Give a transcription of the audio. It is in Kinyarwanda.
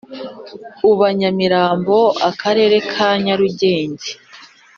uba Nyamirambo Akarere ka Nyarugenge